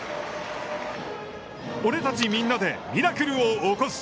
俺たちみんなでミラクルを起こす！